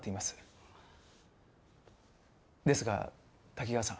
ですが滝川さん